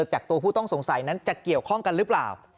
จากตัวผู้ต้องสงสัยนั้นจะเกี่ยวข้องกันหรือเปล่า